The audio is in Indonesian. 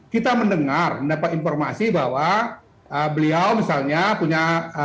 kita mendengar mendapat informasi bahwa beliau misalnya punya